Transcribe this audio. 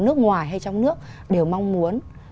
nước ngoài hay trong nước đều mong muốn